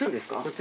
私？